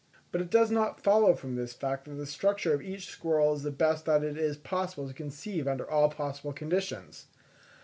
But it does not follow from this fact that the structure of each squirrel is the best that it is possible to conceive under all possible conditions.